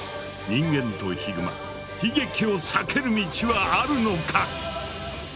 人間とヒグマ悲劇を避ける道はあるのか？